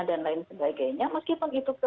dan lain sebagainya meskipun itu